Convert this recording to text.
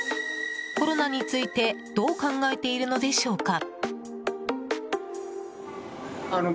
コロナについてどう考えているのでしょうか？